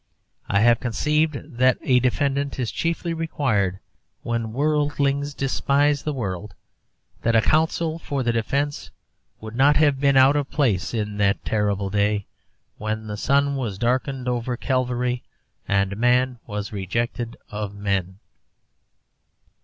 I have conceived that a defendant is chiefly required when worldlings despise the world that a counsel for the defence would not have been out of place in that terrible day when the sun was darkened over Calvary and Man was rejected of men.